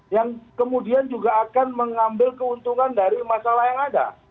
yang kemudian juga akan mengambil keuntungan dari masalah yang ada